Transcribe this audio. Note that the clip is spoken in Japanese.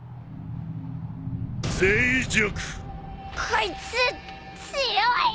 こいつ強い。